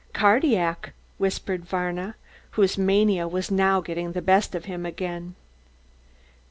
"Cardillac," whispered Varna, whose mania was now getting the best of him again.